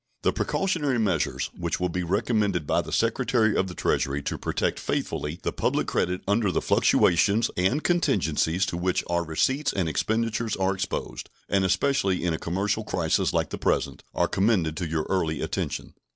The precautionary measures which will be recommended by the Secretary of the Treasury to protect faithfully the public credit under the fluctuations and contingencies to which our receipts and expenditures are exposed, and especially in a commercial crisis like the present, are commended to your early attention.